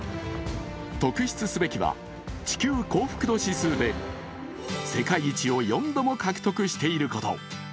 特筆すべきは地球幸福度指数で世界一を４度も獲得していること。